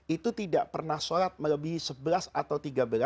itu tidak pernah sholat melebihi sebelas atau tiga belas